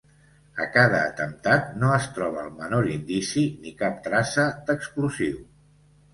A cada atemptat, no es troba el menor indici, ni cap traça d'explosiu.